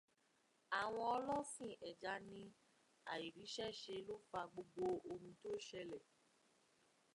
Àwọn ọlọ́sìn ẹja ní àìríṣẹ́ṣe ló fà gbogbo oun tó ṣẹlẹ̀.